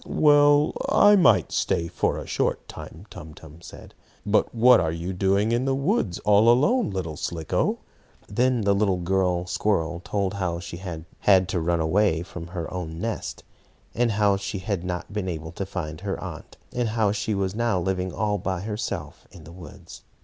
"Well, I might stay a short time," Tum Tum said. "But what are you doing in the woods all alone, little Slicko?" Then the little squirrel girl told how she had had to run away from her own nest, and how she had not been able to find her aunt, and how she was now living all by herself in the woods.